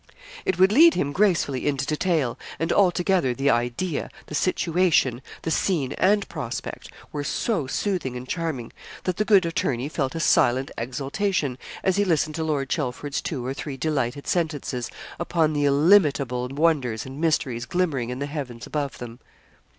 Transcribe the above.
It would lead him gracefully into detail, and altogether the idea, the situation, the scene and prospect, were so soothing and charming, that the good attorney felt a silent exaltation as he listened to Lord Chelford's two or three delighted sentences upon the illimitable wonders and mysteries glimmering in the heavens above them.